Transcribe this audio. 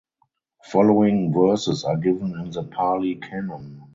Following verses are given in the Pali Canon.